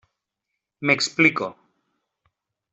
M'explico.